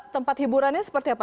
tempat hiburannya seperti apa